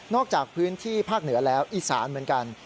จากพื้นที่ภาคเหนือแล้วอีสานเหมือนกัน